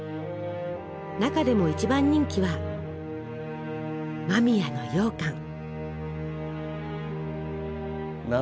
中でも一番人気は間宮のようかん。